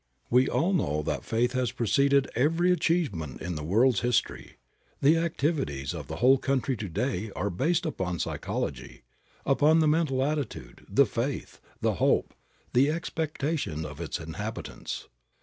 We all know that faith has preceded every achievement in the world's history. The activities of the whole country to day are based upon psychology, upon the mental attitude, the faith, the hope, the expectation of its inhabitants.